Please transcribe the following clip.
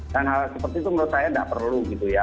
dan hal seperti itu menurut saya tidak perlu gitu ya